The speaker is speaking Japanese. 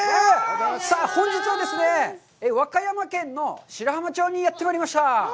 さあ本日はですね、和歌山県の白浜町にやってまいりました。